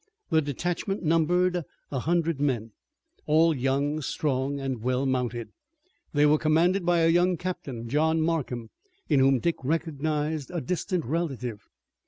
The detachment numbered a hundred men, all young, strong, and well mounted. They were commanded by a young captain, John Markham, in whom Dick recognized a distant relative.